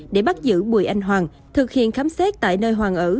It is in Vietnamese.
để bắt giữ bùi anh hoàng thực hiện khám xét tại nơi hoàng ở